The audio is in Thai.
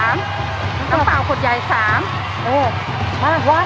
น้ำเปล่าขวดใหญ่๓